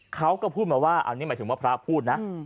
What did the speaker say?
เขาก็พูดมาว่าอันนี้หมายถึงว่าพระพูดนะ